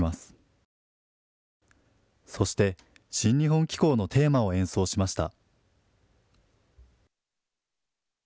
そして「新日本紀行のテーマ」を演奏しました。